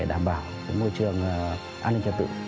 phòng hưởng tốt nhất cho dân để đảm bảo môi trường an ninh trật tự